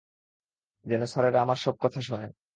যেন স্যারেরা আমার সব কথা শোনে।